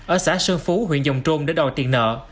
ở xã sơn phú huyện dòng trôn để đòi tiền nợ